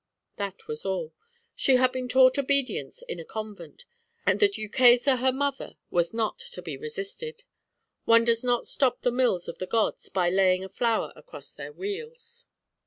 That was all. She had been taught obedience in a convent, and the Duquesa her mother was not to be resisted. One does not stop the mills of the gods by laying a flower across their wheels.